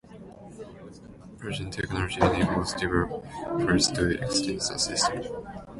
Plugin technology enables developers to extend the system.